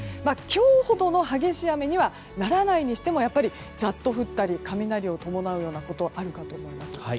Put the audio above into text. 今日ほどの激しい雨にはならないにしてもざっと降ったり雷を伴うこともあるかと思います。